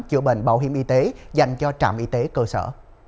chữa bệnh bảo hiểm y tế dành cho trạm y tế cơ sở